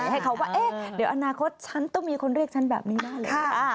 ให้เขาว่าเอ๊ะเดี๋ยวอนาคตฉันต้องมีคนเรียกฉันแบบนี้แน่เลย